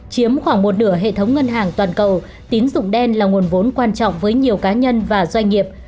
chiếm khoảng một nửa hệ thống ngân hàng toàn cầu tín dụng đen là nguồn vốn quan trọng với nhiều cá nhân và doanh nghiệp